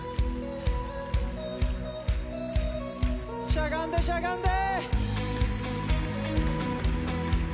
しゃがんでしゃがんで。